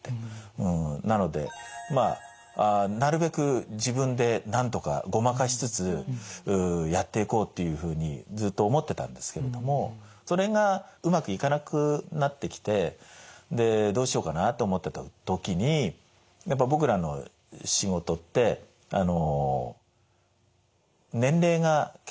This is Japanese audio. なのでまあなるべく自分でなんとかごまかしつつやっていこうっていうふうにずっと思ってたんですけれどもそれがうまくいかなくなってきてでどうしようかなって思ってた時にやっぱ僕らの仕事って年齢が結構幅広いんですよね。